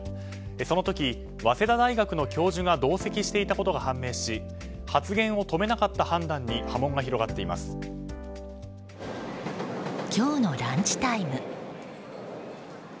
その時、早稲田大学の教授が同席していたことが判明し発言を止めなかった判断に今日のランチタイム。